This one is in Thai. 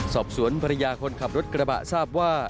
สอบสวนภรรยาคนขับรถกระบะทราบว่า